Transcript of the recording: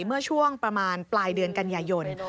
เมื่อช่วงประมาณปลายเดือนกันยายน